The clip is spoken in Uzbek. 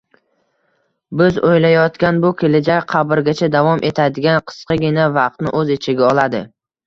Biz o‘ylayotgan bu kelajak qabrgacha davom etadigan qisqagina vaqtni o‘z ichiga oladi.